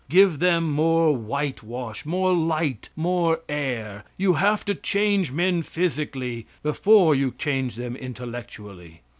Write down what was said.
Give them more whitewash, more light, more air. You have to change men physically before you change them intellectually.